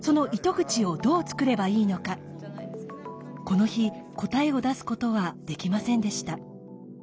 この日答えを出すことはできませんでした。